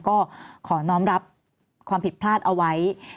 ก็ขอน้องรับความผิดพลาดเอาไว้